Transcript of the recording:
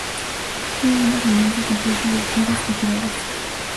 Tiene una ascendencia compleja de orquídeas cultivadas.